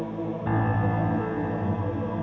ya saya tetap ber kuasa